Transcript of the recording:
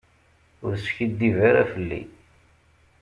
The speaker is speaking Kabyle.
Ur skiddib ara fell-i.